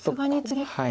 はい。